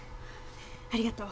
ありがとう。